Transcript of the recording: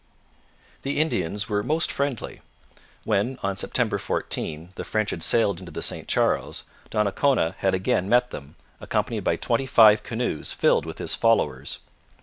The Indians were most friendly. When, on September 14, the French had sailed into the St Charles, Donnacona had again met them, accompanied by twenty five canoes filled with his followers.